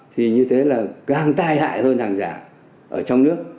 thì như thế là càng tai hại hơn hàng giả ở trong nước